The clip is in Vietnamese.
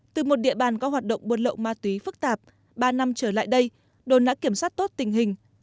từ một địa bàn có hoạt động buôn lậu ma túy phức tạp ba năm trở lại đây đồn đã kiểm soát tốt tình hình